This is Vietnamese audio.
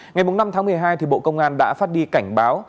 ngày năm tháng một mươi hai bộ công an đã phát đi cảnh báo